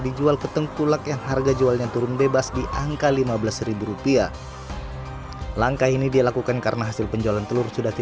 dijual ke tengkulak yang harga jualnya turun bebas di angka lima belas rupiah langkah ini dilakukan karena